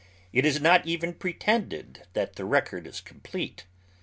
It is not even pretended that the record is complete.